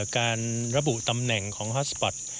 การระบุตำแหน่งของฮาสปอร์ต